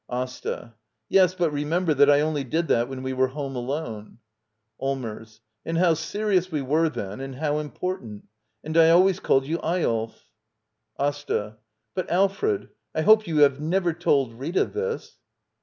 AsTA. Yes, but remember that I only did that when we were home alone. Allmers. And how serious we were then, and Vfibw important! And I always called you Eyolf. AsTA. But, Alfred, I hope you have never told Rita this?